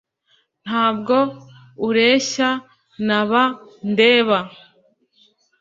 Ntabwo ureshya naba ndeba